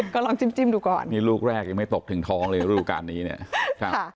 ก็ลองจิ้มดูก่อนนี่ลูกแรกยังไม่ตกถึงท้องเลยรูปการณ์นี้เนี่ยค่ะ